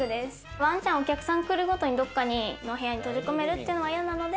ワンちゃんを、お客さんが来るごとにどっかに閉じ込めるのは嫌なので。